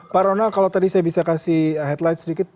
pak ronald kalau tadi saya bisa kasih headline sedikit